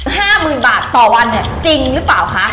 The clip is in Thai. ห้าหมื่นบาทต่อวันเนี่ยจริงหรือเปล่าคะ